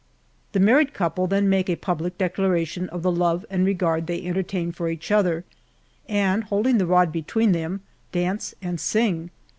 The married couple then make a public declaration of tho love and regard they entertain for each other, and holding the rod between them, dance, and sing.